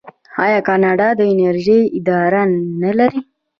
آیا کاناډا د انرژۍ اداره نلري؟